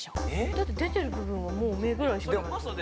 だって出てる部分はもう目ぐらいしかないですよね